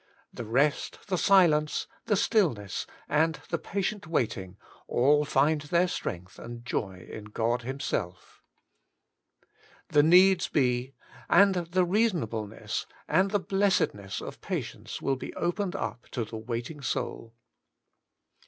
The rest, the silence, the still ness, and the patient waiting, all find their strength and joj' in God Himself. The needs be, and the reasonableness, and the blessedness of patience will be opened up to the waiting soul.